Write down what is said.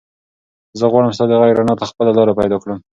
زه غواړم ستا د غږ رڼا ته خپله لاره پیدا کړم.